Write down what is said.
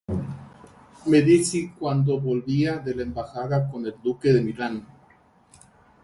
Medici, cuando volvía de la embajada con el duque de Milán.